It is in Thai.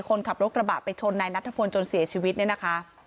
คนขับรถกระบะไปชนนายนัทธพลจนเสียชีวิตเนี่ยนะคะ